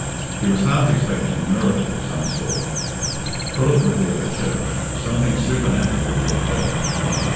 She was half expecting a miracle of some sort. Philip would be at the church. Something supernatural would occur.